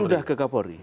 sudah ke kapolri